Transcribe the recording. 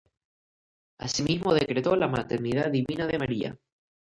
Asimismo decretó la maternidad divina de María.